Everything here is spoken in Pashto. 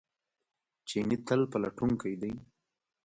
چیني تل پلټونکی دی.